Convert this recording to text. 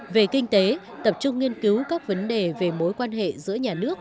về kinh tế tập trung nghiên cứu các vấn đề về mối quan hệ giữa nhà nước